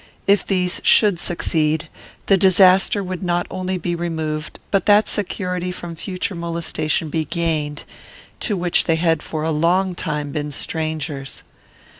If these should succeed, the disaster would not only be removed, but that security from future molestation be gained, to which they had for a long time been strangers.